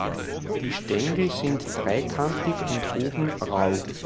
Die Stängel sind dreikantig und oben rau.